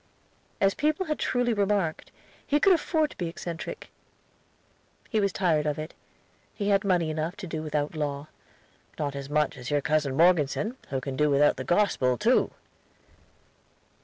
As people had truly remarked, he could afford to be eccentric. He was tired of it; he had money enough to do without law. "Not as much as your cousin Morgeson, who can do without the Gospel, too."